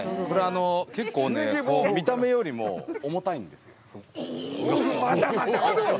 これは、結構ね見た目よりも重たいんですよ。